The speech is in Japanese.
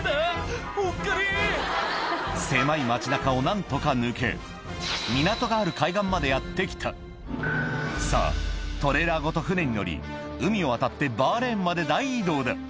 ・狭い街中を何とか抜け港があるさぁトレーラーごと船に乗り海を渡ってバーレーンまで大移動だ